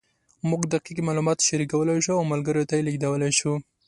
موږ دقیق معلومات شریکولی شو او ملګرو ته یې لېږدولی شو.